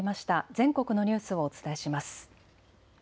全国のニュースをお伝えします。